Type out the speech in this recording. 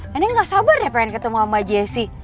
nenek gak sabar deh pengen ketemu sama jessy